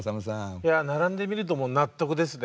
いや並んでみるともう納得ですね。